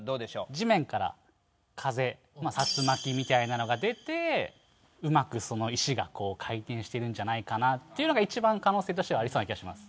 地面から風竜巻みたいなのが出てうまく石が回転してるんじゃないかなっていうのが一番可能性としてはありそうな気がします